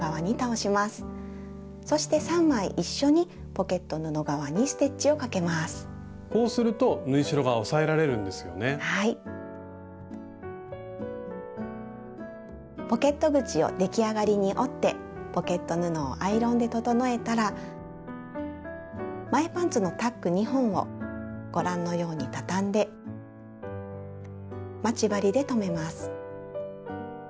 ポケット口を出来上がりに折ってポケット布をアイロンで整えたら前パンツのタック２本をご覧のように畳んで待ち針で留めます。